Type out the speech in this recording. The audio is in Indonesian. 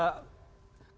kalau anda menyinggung bpn